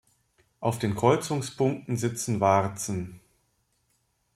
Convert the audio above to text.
Auf den Kreuzungspunkten sitzen Warzen.